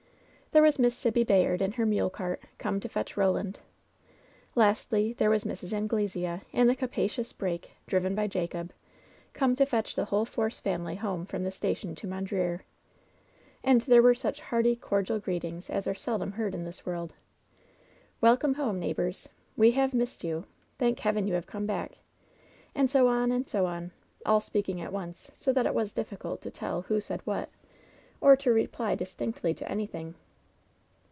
There was Miss Sibby Bayard in her mule cart, come to fetch Koland. Lastly, there was Mrs. Anglesea, in the capacious break, driven by Jacob, come to fetch the whole Force family home from the station to Mondreer. And there were such hearty, cordial greetings as are seldom heard in this world. "Welcome home, neighbors!'* * We have missed you !" "Thank Heaven you have come back !'' And so on and so on ! All speaking at once, so that it was difficult to tell who said what, or to reply distinctly to anything.